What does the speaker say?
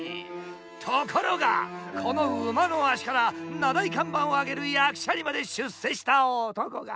ところがこの馬の足から名題看板を上げる役者にまで出世した男が一人いる。